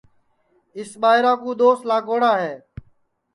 اِس ٻائیرا کُو دؔوس لاگوڑا ہے